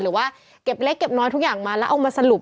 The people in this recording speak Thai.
หรือว่าเก็บเล็กเก็บน้อยทุกอย่างมาแล้วเอามาสรุป